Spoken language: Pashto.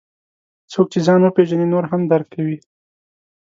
څوک چې ځان وپېژني، نور هم درک کوي.